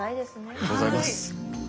ありがとうございます。